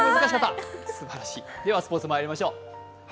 ではスポーツ、まいりましょう。